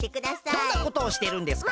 どんなことをしてるんですか？